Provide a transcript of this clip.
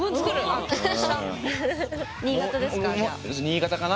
新潟ですか？